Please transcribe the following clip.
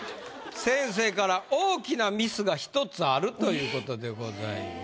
先生から「大きなミスが１つある！」ということでございます。